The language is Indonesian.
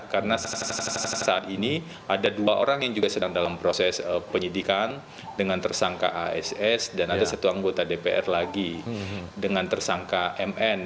karena saat ini ada dua orang yang juga sedang dalam proses penyidikan dengan tersangka ass dan ada satu anggota dpr lagi dengan tersangka mn